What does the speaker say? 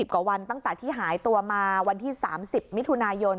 กว่าวันตั้งแต่ที่หายตัวมาวันที่๓๐มิถุนายน